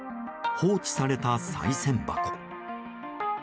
放置されたさい銭箱。